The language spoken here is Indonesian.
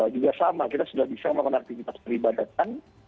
juga sama kita sudah bisa melakukan aktivitas peribadatan